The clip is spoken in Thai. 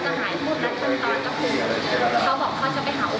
เขาบอกเขาจะไปหาอุปป้าแล้วเขาก็ส่งวีดีโอตามไอจีนให้เพื่อนเขา